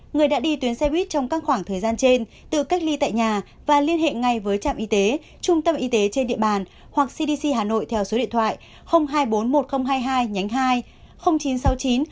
người đã đi tuyến xe buýt trong các khoảng thời gian trên tự cách ly tại nhà và liên hệ ngay với trạm y tế trung tâm y tế trên địa bàn hoặc cdc hà nội theo số điện thoại hai trăm bốn mươi một nghìn hai mươi hai nhánh hai chín trăm sáu mươi chín